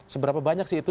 seberapa banyak sih itu